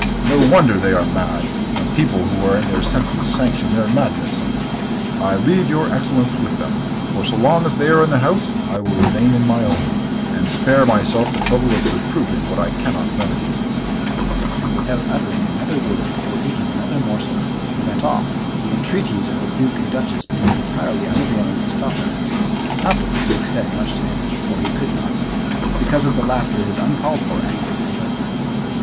No wonder they are mad, when people who are in their senses sanction their madness! I leave your excellence with them, for so long as they are in the house, I will remain in my own, and spare myself the trouble of reproving what I cannot remedy;" and without uttering another word, or eating another morsel, he went off, the entreaties of the duke and duchess being entirely unavailing to stop him; not that the duke said much to him, for he could not, because of the laughter his uncalled for anger provoked.